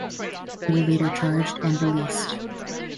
They were later charged and released.